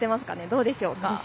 どうでしょうか。